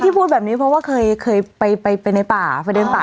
พูดแบบนี้เพราะว่าเคยเคยไปในป่าไปเดินป่า